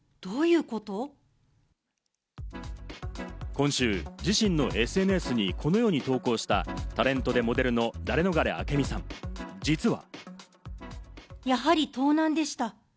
今週、自身のＳＮＳにこのように投稿した、タレントでモデルのダレノガレ明美さん、実は。